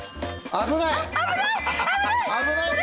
危ないぞ！